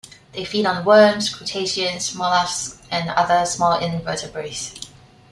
They feed on worms, crustaceans, molluscs and other small invertebrates.